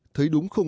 thấy đúng không